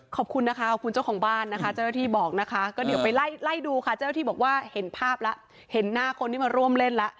ขอบคุณนะคะขอบคุณเจ้าของบ้านนะคะเจ้าหน้าที่บอกนะคะก็เดี๋ยวไปไล่ไล่ดูค่ะเจ้าหน้าที่บอกว่าเห็นภาพแล้วเห็นหน้าคนที่มาร่วมเล่นแล้ว